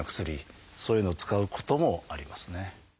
そういうのを使うこともありますね。